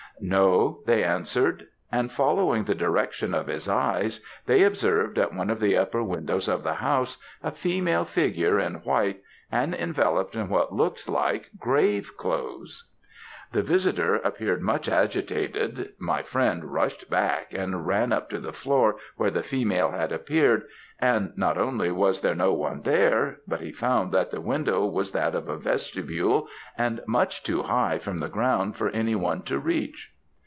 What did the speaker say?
"'No they answered;' and following the direction of his eyes, they observed at one of the upper windows of the house, a female figure in white, and enveloped in what looked like grave clothes. "The visitor appearing much agitated, my friend rushed back and ran up to the floor where the female had appeared; and not only was there no one there, but he found that the window was that of a vestibule and much too high from the ground for any one to reach.